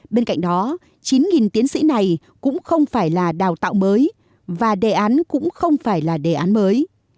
bên cạnh đó chín tiến sĩ này cũng không phải là đào tạo mới và đề án cũng không phải là đề án mới